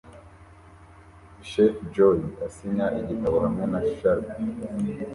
Chef Joey asinya igitabo hamwe na Sharpie